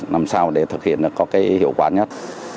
làm sao để thực hiện có hiệu quả nhất